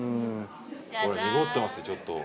濁ってますよちょっと。